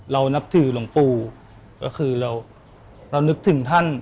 นับถือหลวงปู่ก็คือเรานึกถึงท่าน